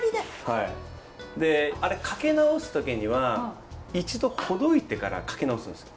あれかけ直す時には一度ほどいてからかけ直すんですよ。